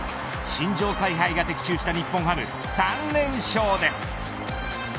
新庄采配が的中した日本ハム３連勝です。